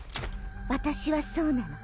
私はそうなの。